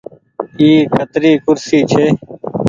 اي ڪتري ڪُرسي ڇي۔